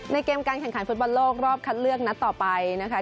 เกมการแข่งขันฟุตบอลโลกรอบคัดเลือกนัดต่อไปนะคะ